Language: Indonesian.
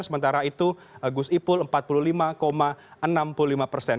sementara itu gus ipul empat puluh lima enam puluh lima persen